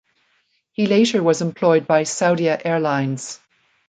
He later was employed by Saudia Airlines.